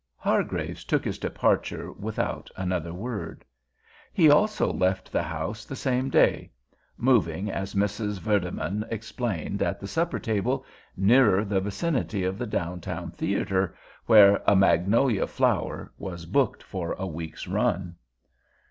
Hargraves took his departure without another word. He also left the house the same day, moving, as Mrs. Vardeman explained at the supper table, nearer the vicinity of the downtown theater, where A Magnolia Flower was booked for a week's run.